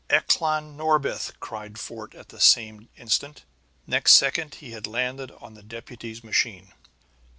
"Eklan Norbith!" cried Fort at the same instant. Next second he had landed on the deputy's machine.